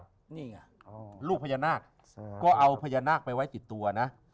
นี่ไงลูกพญานาคก็เอาพญานาคไปไว้ติดตัวนะ